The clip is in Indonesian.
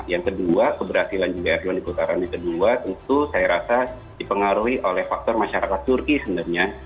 yang kedua keberhasilan juga erdon di putaran yang kedua tentu saya rasa dipengaruhi oleh faktor masyarakat turki sebenarnya